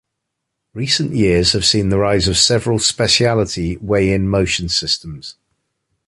Recent years have seen the rise of several "specialty" Weigh-in-Motion systems.